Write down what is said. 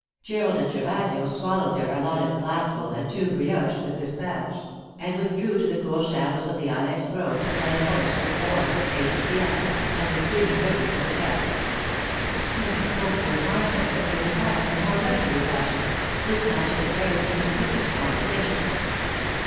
Gerald and Gervasio swallowed their allotted glassful and two brioches with dispatch, and withdrew to the cool shadows of the ilex grove to play at horse with poor, patient Bianca and the streaming ribbons of her cap. Mrs. Copley and Marcia took the repast in more leisurely fashion, with snatches of very intermittent conversation.